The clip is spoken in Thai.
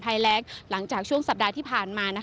แรงหลังจากช่วงสัปดาห์ที่ผ่านมา